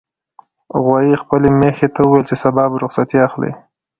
غویي خپلې میښې ته وویل چې سبا به رخصتي اخلي.